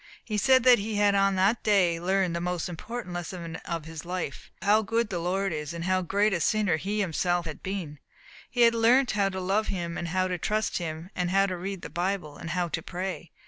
He said that he had on that day learnt the most important lesson of his life; how good the Lord is, and how great a sinner he himself had been; he had learnt how to love Him, and how to trust Him; how to read the Bible, and how to pray.